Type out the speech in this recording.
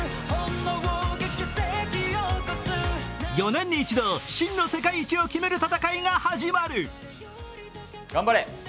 ４年に一度、真の世界一を決める戦いが始まる。